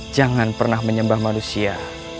jangan pernah menyembah manusia